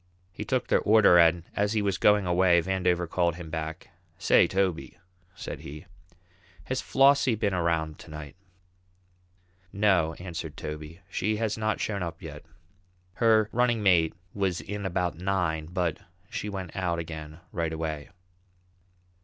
He took their order, and as he was going away, Vandover called him back: "Say, Toby," said he, "has Flossie been around to night?" "No," answered Toby, "she hasn't shown up yet. Her running mate was in about nine, but she went out again right away."